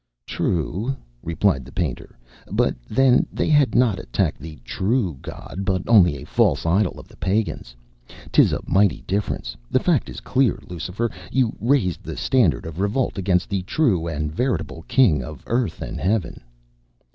"True," replied the painter, "but then they had not attacked the true God, but only a false idol of the Pagans. 'Tis a mighty difference. The fact is clear, Lucifer, you raised the standard of revolt against the true and veritable King of Earth and Heaven."